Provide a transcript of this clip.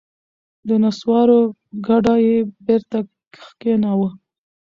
د نسوارو کډه یې بېرته کښېناوه.